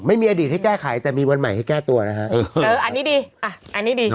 ไม่มีอดีตให้แก้ไขแต่มีวันใหม่ให้แก้ตัวนะฮะเอออันนี้ดีอ่ะอันนี้ดี